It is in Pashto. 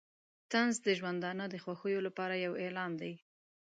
طنز د ژوندانه د خوښیو لپاره یو اعلان دی.